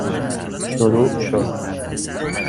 شروع شد